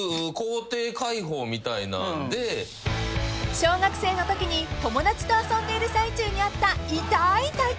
［小学生のときに友達と遊んでいる最中にあった痛い体験］